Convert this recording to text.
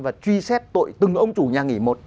và truy xét tội từng ông chủ nhà nghỉ một